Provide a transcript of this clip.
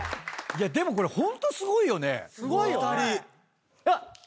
でもこれホントすごいよね２人。